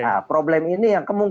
nah problem ini yang kemungkinan